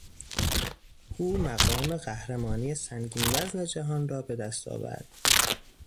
او مقام قهرمانی سنگین وزن جهان را به دست آورد.